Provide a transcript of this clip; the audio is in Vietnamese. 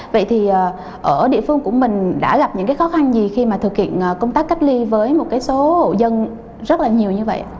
vậy thì ở địa phương của mình đã gặp những cái khó khăn gì khi mà thực hiện công tác cách ly với một cái số hộ dân rất là nhiều như vậy